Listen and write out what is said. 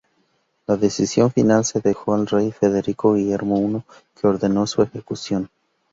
La decisión final se dejó al rey, Federico Guillermo I, que ordenó su ejecución.